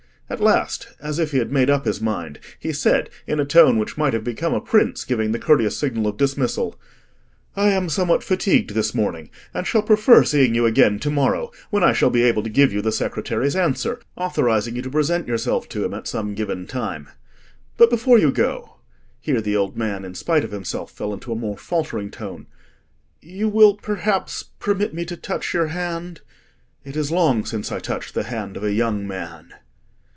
At last, as if he had made up his mind, he said in a tone which might have become a prince giving the courteous signal of dismissal— "I am somewhat fatigued this morning, and shall prefer seeing you again to morrow, when I shall be able to give you the secretary's answer, authorising you to present yourself to him at some given time. But before you go,"—here the old man, in spite of himself, fell into a more faltering tone—"you will perhaps permit me to touch your hand? It is long since I touched the hand of a young man."